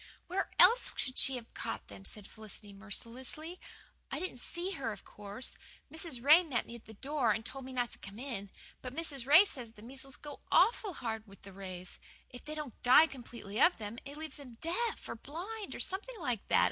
"Where else could she have caught them?" said Felicity mercilessly. "I didn't see her, of course Mrs. Ray met me at the door and told me not to come in. But Mrs. Ray says the measles always go awful hard with the Rays if they don't die completely of them it leaves them deaf or half blind, or something like that.